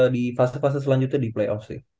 di fase fase selanjutnya di play off sih